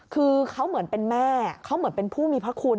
คือเขาเหมือนเป็นแม่เขาเหมือนเป็นผู้มีพระคุณ